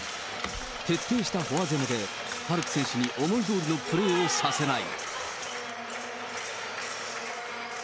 徹底したフォア攻めで、ファルク選手に思いどおりのプレーをさせない。